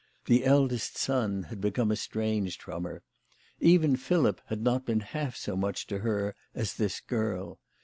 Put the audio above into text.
The eldest son had become estranged from her. Even Philip had not been half so much to her as this girl.